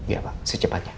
iya pak secepatnya